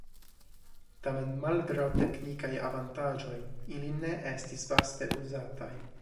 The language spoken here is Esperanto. Tamen malgraŭ teknikaj avantaĝoj ili ne estis vaste uzataj.